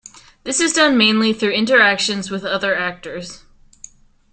This is done mainly through interaction with other actors.